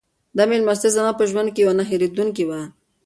دا مېلمستیا زما په ژوند کې یوه نه هېرېدونکې وه.